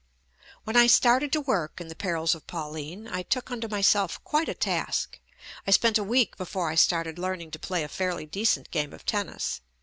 When I started to work in "The Perils of Pauline," I took unto myself quite a task. I spent a week before I started learning to play a fairly decent game of tennis.